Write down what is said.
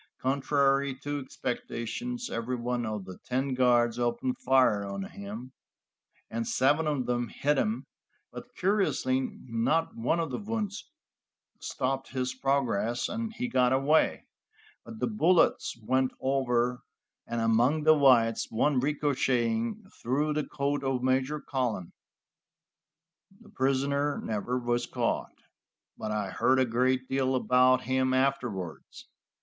Contrary to expectations, every one of the ten guards opened fire on him, and seven of them hit him, but curiously not one of the wounds stopped his progress, and he got away; but the bullets went over and among the whites, one ricocheting through the coat of Major Cullen. The prisoner never was caught, but I heard a great deal about him afterwards.